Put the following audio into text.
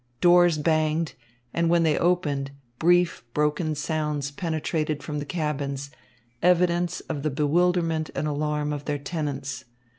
Doors banged, and when they opened, brief, broken sounds penetrated from the cabins, evidence of the bewilderment and alarm of their tenants.